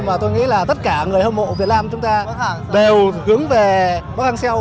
mà tôi nghĩ là tất cả người hâm mộ việt nam chúng ta đều hướng về bóng an xeo